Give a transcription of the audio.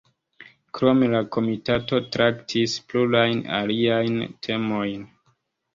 Krome la Komitato traktis plurajn aliajn temojn.